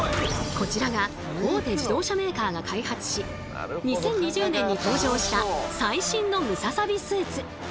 こちらが大手自動車メーカーが開発し２０２０年に登場した最新のムササビスーツ。